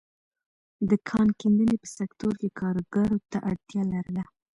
د کان کیندنې په سکتور کې کارګرو ته اړتیا لرله.